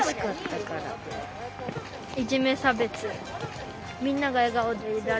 いじめ、差別。